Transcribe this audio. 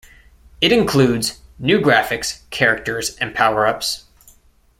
It includes "new graphics, characters and power-ups".